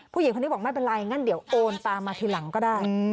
ผู้หญิงคนนี้บอกไม่เป็นไรงั้นเดี๋ยวโอนตามมาทีหลังก็ได้